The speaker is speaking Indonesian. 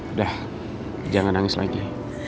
udah jangan nangis lagi